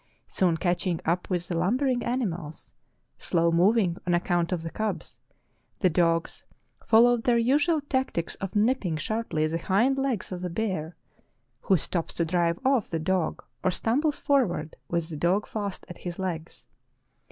Soon catching up with the lumbering animals, slow moving on account of the cubs, the dogs, followed their usual tactics of nipping sharply the hind legs of the bear, who stops to drive off the dog or stumbles forward with the dog fast at his legs.